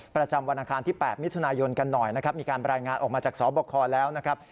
ประจำวันอังคารที่๘มิถุนายนกันหน่อยนะครับมีการรายงานออกมาจากสบคแล้วนะครับ